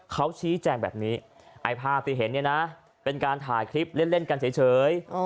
เขาชี้แจงแบบนี้ไอ้ภาพที่เห็นเนี่ยนะเป็นการถ่ายคลิปเล่นกันเฉย